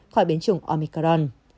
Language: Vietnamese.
khỏi biến chủng omicron